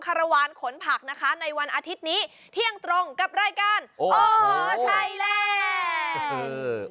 คารวาลขนผักนะคะในวันอาทิตย์นี้เที่ยงตรงกับรายการโอ้โหไทยแลนด์